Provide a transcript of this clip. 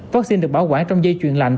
vaccine được bảo quản trong dây chuyển lạnh